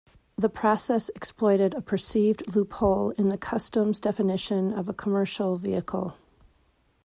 The process exploited a perceived loophole in the customs definition of a commercial vehicle.